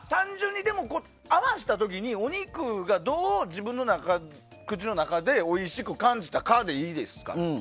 合わせた時にお肉がどう自分の中、口の中でおいしく感じたかでいいですから。